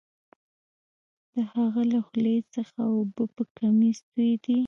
د هغه له خولې څخه اوبه په کمیس تویدې